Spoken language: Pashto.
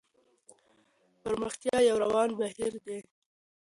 پرمختيا يو روان بهير دی.